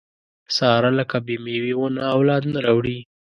ساره لکه بې مېوې ونه اولاد نه راوړي.